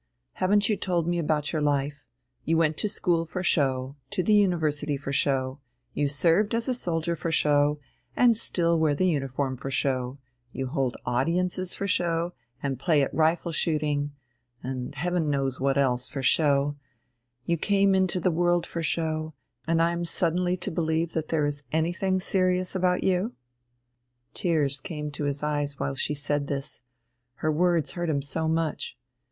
Haven't you told me about your life? You went to school for show, to the University for show, you served as a soldier for show, and still wear the uniform for show, you hold audiences for show, and play at rifle shooting and heaven knows what else for show; you came into the world for show, and am I suddenly to believe that there is anything serious about you?" Tears came to his eyes while she said this: her words hurt him so much.